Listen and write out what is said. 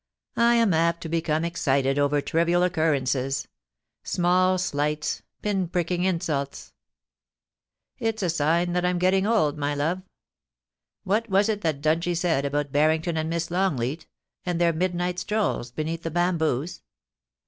I am apt to become excited over trivial occurrences — small slights— pinpricking insults. 28o POUCY AND PASSION. It's a sign that I'm getting old, my love. ... What was it that Dungie said about Barrington and Miss Longleat, and their midnight strolls beneath the bamboos